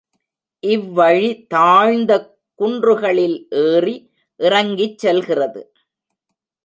இவ்வழி தாழ்ந்த குன்றுகளில் ஏறி இறங்கிச் செல்லுகிறது.